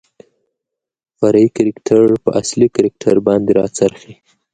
فرعي کرکتر په اصلي کرکتر باندې راڅرخي .